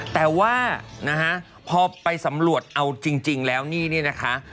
แต่ว่านะฮะพอไปสำรวจเอาจริงแล้วนี่เนี่ยนะคะ